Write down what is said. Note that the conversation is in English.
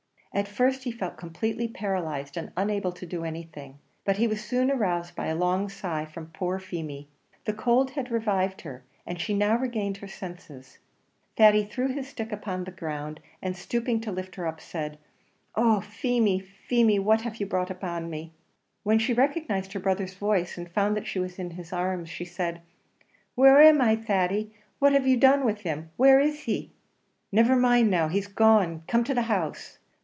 At first he felt completely paralysed, and unable to do anything; but he was soon aroused by a long sigh from poor Feemy. The cold had revived her, and she now regained her senses. Thady threw his stick upon the ground, and stooping to lift her up, said, "Oh! Feemy, Feemy, what have you brought upon me!" When she recognised her brother's voice, and found that she was in his arms, she said, "Where am I, Thady? What have you done with him? Where is he?" "Never mind now. He's gone come to the house."